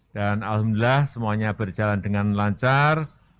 dan alhamdulillah semuanya berjalan dengan lancar